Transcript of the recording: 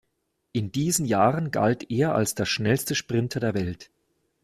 In diesen Jahren galt er als der schnellste Sprinter der Welt.